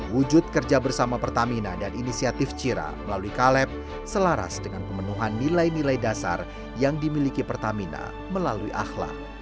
wujud kerja bersama pertamina dan inisiatif cira melalui kaleb selaras dengan pemenuhan nilai nilai dasar yang dimiliki pertamina melalui ahlak